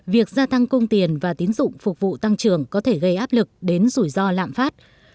việc gia tăng cung tiền và tín dụng phục vụ tăng trưởng có thể gây áp lực đến rủi ro lạm phát